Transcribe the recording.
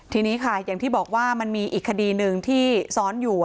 ทีนี้ค่ะอย่างที่บอกว่ามันมีอีกคดีหนึ่งที่ซ้อนอยู่